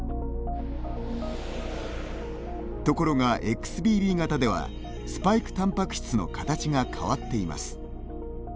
ところがＸＢＢ型ではスパイクタンパク質の形が変わっています。